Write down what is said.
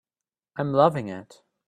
I'm loving it.